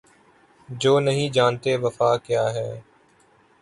جو نہیں جانتے وفا کیا ہے